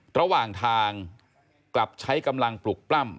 ระหว่างทางกลับใช้กำลังปลุกปล้ำ